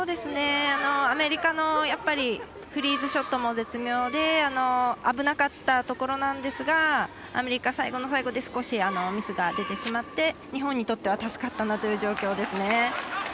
アメリカのフリーズショットも絶妙で危なかったところなんですがアメリカ、最後の最後で少しミスが出てしまって日本にとっては助かったなという状況ですね。